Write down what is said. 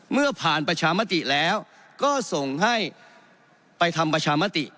เมื่อผ่านประชามติแล้วก็ส่งให้ไปทำประชามติ